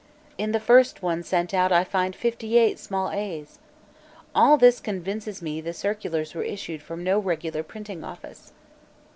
In the first one sent out I find fifty eight small a's. All this convinces me the circulars were issued from no regular printing office."